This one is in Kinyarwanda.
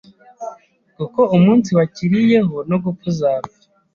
kuko umunsi wakiriyeho no gupfa uzapfa.